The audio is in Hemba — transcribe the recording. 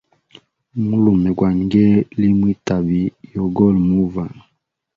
Mulume gwa ngee li mwi tabi yogoli muva.